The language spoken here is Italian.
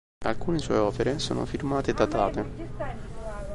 Alcune sue opere sono firmate e datate.